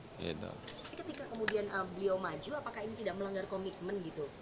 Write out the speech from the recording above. tapi ketika kemudian beliau maju apakah ini tidak melanggar komitmen gitu